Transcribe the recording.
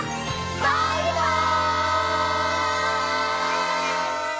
バイバイ！